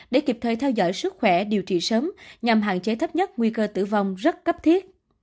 để kịp thời theo dõi sức khỏe điều trị sớm nhằm hạn chế thấp nhất nguy cơ tử vong rất cấp thiết